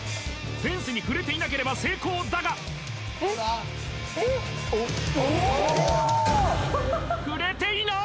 フェンスに触れていなければ成功だが触れていない！